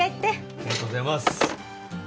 ありがとうございます。